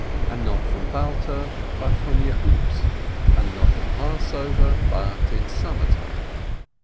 And not from Balta, but from Yehupetz, and not at Passover, but in summer time.